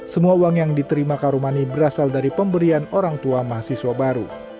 semua uang yang diterima karomani berasal dari pemberian orang tua mahasiswa baru